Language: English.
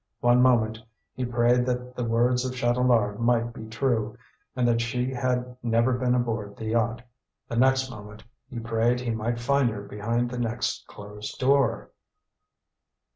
One moment he prayed that the words of Chatelard might be true, and that she had never been aboard the yacht; the next moment he prayed he might find her behind the next closed door.